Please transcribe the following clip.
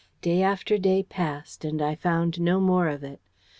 Day after day passed, and I found no more of it.